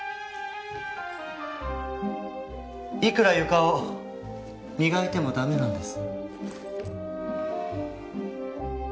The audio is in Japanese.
いくら床を磨いても駄目なんです。